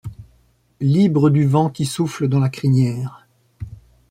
Libre du vent qui souffle dans la crinière